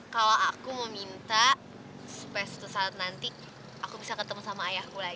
kalau aku mau minta supaya suatu saat nanti aku bisa ketemu sama ayahku lagi